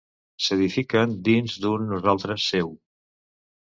S’edifiquen dins d’un nosaltres seu.